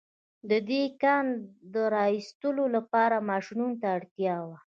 د دې کان د را ايستلو لپاره ماشينونو ته اړتيا وه.